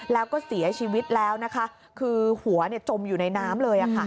แล้วก็เสียชีวิตแล้วนะคะคือหัวจมอยู่ในน้ำเลย